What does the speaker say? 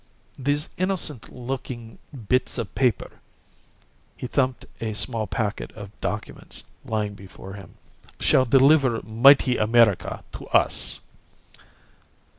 These innocent looking bits of paper" he thumped a small packet of documents lying before him "shall deliver mighty America to us!"